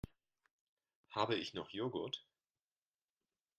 Habe ich noch Joghurt?